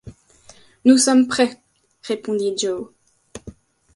Nous sommes prêts », répondit Joe.